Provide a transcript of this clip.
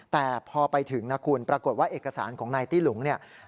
แต่พอไปถึงนะคุณปรากฏว่าเอกสารของนายตี้หลุงเนี่ย